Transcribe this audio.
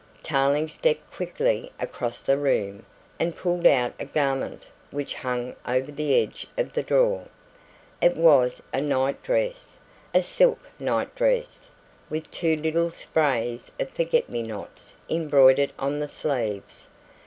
Tarling stepped quickly across the room and pulled out a garment which hung over the edge of the drawer. It was a night dress a silk night dress with two little sprays of forget me nots embroidered on the sleeves.